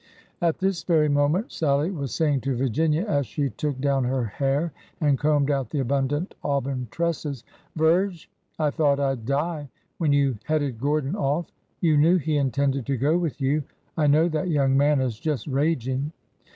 At this very moment Sallie was saying to Virginia as she took down her hair and combed out the abundant auburn tresses : Virge, I thought I 'd die when you headed Gordon off! You knew he intended to go with you. I know that young man is just raging."